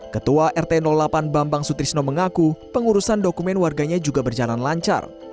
ketua rt delapan bambang sutrisno mengaku pengurusan dokumen warganya juga berjalan lancar